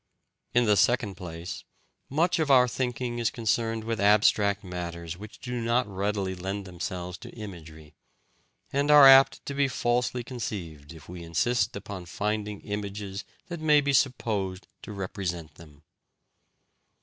In the second place, much of our thinking is concerned with abstract matters which do not readily lend themselves to imagery, and are apt to be falsely conceived if we insist upon finding images that may be supposed to represent them.